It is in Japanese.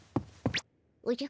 おじゃ？